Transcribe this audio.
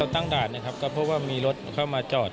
ตั้งด่านนะครับก็เพราะว่ามีรถเข้ามาจอด